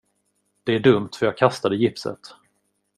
Det är dumt för jag kastade gipset.